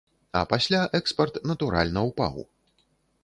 А пасля экспарт, натуральна, упаў.